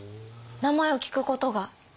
名前を聞くことが？え！